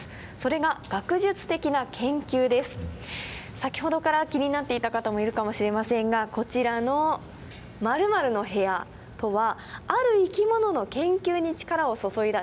先ほどから気になっていた方もいるかもしれませんがこちらの「○○○○の部屋」とはある生き物の研究に力を注いだ展示室だったんですよね。